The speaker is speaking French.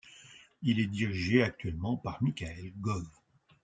Il est dirigé actuellement par Michael Gove.